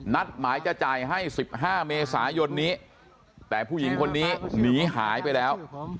นัดหมายจะจ่ายให้๑๕เมษายนนี้แต่ผู้หญิงคนนี้หนีหายไปแล้ว